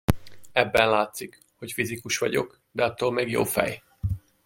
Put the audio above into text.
Ebben látszik, hogy fizikus vagyok, de attól még jó fej.